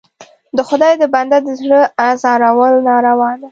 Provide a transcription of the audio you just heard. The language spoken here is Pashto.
د خدای د بنده د زړه ازارول ناروا ده.